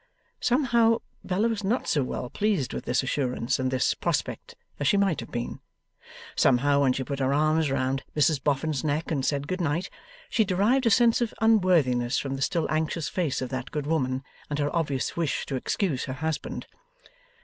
Somehow, Bella was not so well pleased with this assurance and this prospect as she might have been. Somehow, when she put her arms round Mrs Boffin's neck and said Good Night, she derived a sense of unworthiness from the still anxious face of that good woman and her obvious wish to excuse her husband.